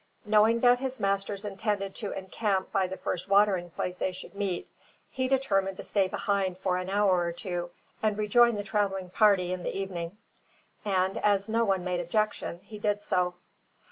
Knowing that his masters intended to encamp by the first watering place they should meet, he determined to stay behind for an hour or two and rejoin the travelling party in the evening; and as no one made objection he did so.